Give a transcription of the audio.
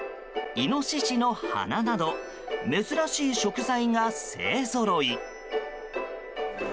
イノシシの鼻など珍しい食材が勢ぞろい。